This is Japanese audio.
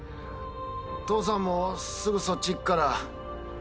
父さんもすぐそっちいくから。